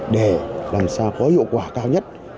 để làm sao có hiệu quả cao nhất